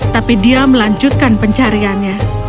tapi dia melanjutkan pencariannya